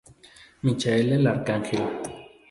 Michael el Arcángel".